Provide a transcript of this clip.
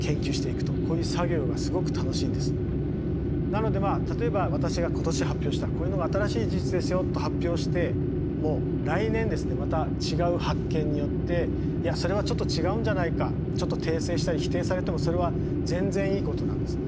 なのでまあ例えば私が今年発表したこういうのが新しい事実ですよと発表しても来年ですねまた違う発見によっていやそれはちょっと違うんじゃないかちょっと訂正したり否定されてもそれは全然いいことなんです。